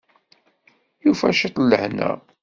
Yufa ciṭ n lehna.